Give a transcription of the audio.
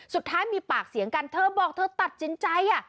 สุดท้ายมีปากเสียงกันเธอบอกเธอตัดสินใจ